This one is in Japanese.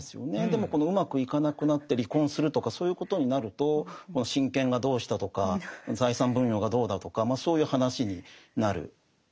でもこのうまくいかなくなって離婚するとかそういうことになると親権がどうしたとか財産分与がどうだとかそういう話になる。